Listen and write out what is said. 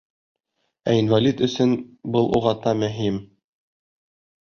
Ә инвалид өсөн был уғата мөһим.